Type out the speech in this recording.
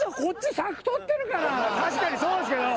確かにそうですけど！